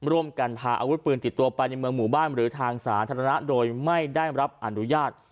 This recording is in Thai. ร่วมกันพาอาวุธปืนติดตัวไปในเมืองหมู่บ้านหรือทางสาธารณะโดยไม่ได้รับอนุญาต